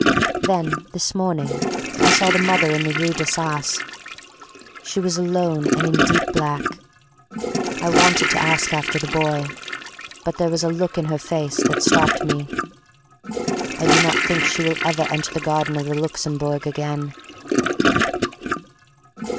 Then this morning I saw the mother in the rue D'Assas. She was alone and in deep black. I wanted to ask after the boy, but there was a look in her face that stopped me. I do not think she will ever enter the garden of the Luxembourg again.